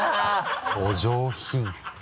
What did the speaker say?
お上品。